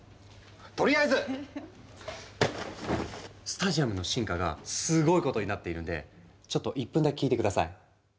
とりあえずスタジアムの進化がすごいことになっているんでちょっと１分だけ聞いて下さい。